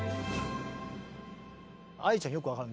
愛理ちゃんよく分かる。